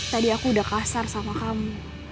tadi aku udah kasar sama kamu